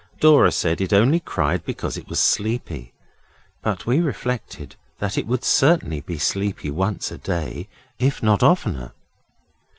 Dora said it only cried because it was sleepy, but we reflected that it would certainly be sleepy once a day, if not oftener.